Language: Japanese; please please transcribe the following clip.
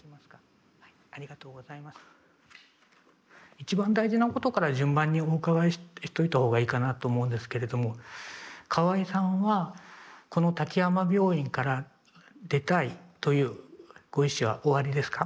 一番大事なことから順番にお伺いしといた方がいいかなと思うんですけれども河合さんはこの滝山病院から出たいというご意思はおありですか？